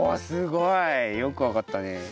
すごい！よくわかったね。